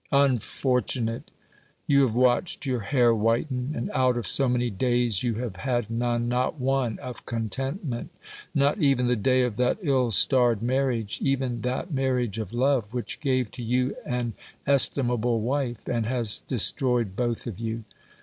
Unfortunate ! you have watched your hair whiten, and out of so many days you have had none, not one, of contentment, not even the day of that ill starred marriage, even that marriage of love which gave to you an estimable wife and has destroyed both of you.